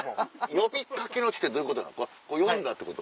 呼びかけの地ってどういうこと？